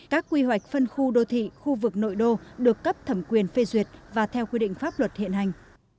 các quy hoạch phân khu đô thị khu vực nội đô được cấp thẩm quyền phê duyệt và theo quy định pháp luật hiện hành